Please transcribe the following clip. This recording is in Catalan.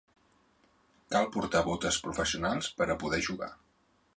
Cal portar botes professionals per a poder jugar.